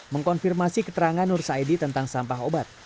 mengkonfirmasi keterangan nur saidi tentang sampah obat